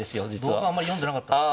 同歩はあんまり読んでなかったです。